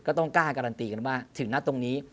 ก็ต้องกล้าการันตีกันว่าถึงนะตรงนี้